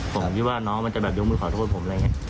ผมคิดว่าน้องมันจะยกมือขอโทษผม